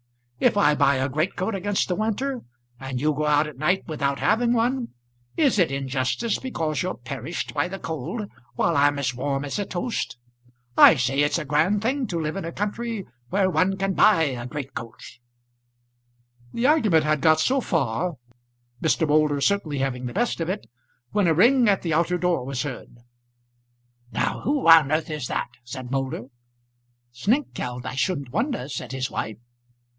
If I buy a greatcoat against the winter, and you go out at night without having one, is it injustice because you're perished by the cold while I'm as warm as a toast. I say it's a grand thing to live in a country where one can buy a greatcoat." The argument had got so far, Mr. Moulder certainly having the best of it, when a ring at the outer door was heard. "Now who on earth is that?" said Moulder. "Snengkeld, I shouldn't wonder," said his wife.